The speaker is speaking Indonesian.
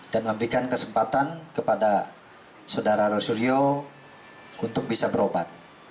dan memberikan kesempatan kepada saudara roy suryo untuk bisa berobat